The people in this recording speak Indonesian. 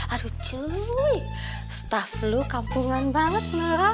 aduh cuy staff lu kampungan banget